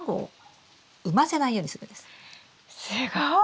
すごい。